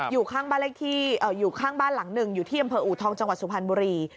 อยู่ข้างบ้านหลังหนึ่งอยู่ที่อำเภออุทองจังหวัดสุพรรณบุรี